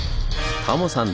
タモさん